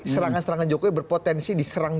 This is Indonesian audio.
serangan serangan jokowi berpotensi